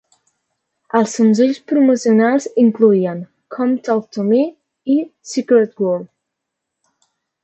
Els senzills promocionals incloïen "Come Talk to Me" i "Secret World".